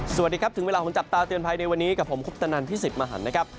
สวัสดีครับถึงเวลาของจับตาเตือนภัยในวันนี้กับผมคุปตนันพี่สิทธิ์มหันนะครับ